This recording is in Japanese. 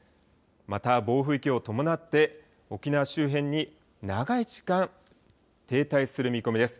また、暴風域を伴って沖縄周辺に長い時間停滞する見込みです。